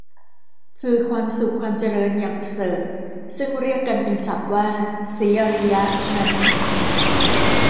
คือความสุขความเจริญอย่างประเสริฐ ซึ่งเรียกกันเป็นศัพท์ว่า "ศรีอาริย" นั้น